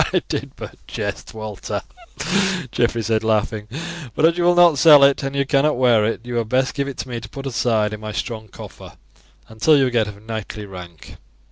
"I did but jest, Walter," Geoffrey said laughing; "but as you will not sell it, and you cannot wear it, you had best give it me to put aside in my strong coffer until you get of knightly rank."